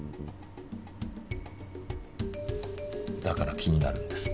だから気になるんです。